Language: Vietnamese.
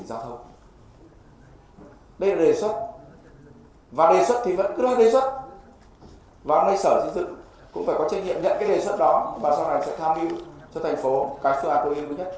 và đề xuất thì sẽ có trách nhiệm nhận cái đề xuất đó